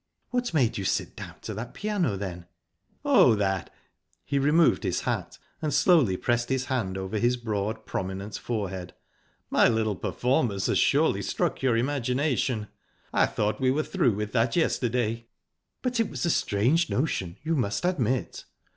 "What made you sit down to that piano, then?" "Oh, that!" He removed his hat, and slowly passed his hand over his broad, prominent forehead..."My little performance has surely struck your imagination. I thought we were through with that yesterday." "But it was a strange notion, you must admit."